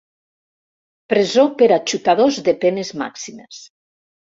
Presó per a xutadors de penes màximes.